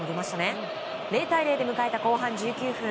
０対０で迎えた後半１９分。